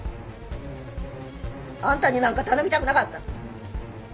あんたになんか頼みたくなかった